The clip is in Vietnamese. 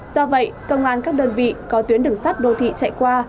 do vậy công an các đơn vị có tuyến đường sắt đô thị chạy qua